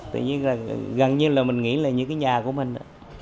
tự nhiên là gần như là mình nghĩ là những cái nhà của mình